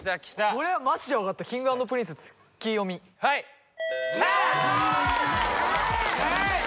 これはマジで分かったＫｉｎｇ＆Ｐｒｉｎｃｅ「ツキヨミ」はいあーっ！